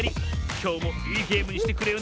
きょうもいいゲームにしてくれよ